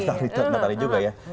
itu juga barangkali juga ya